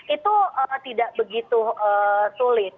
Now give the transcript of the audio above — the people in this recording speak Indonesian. itu tidak begitu sulit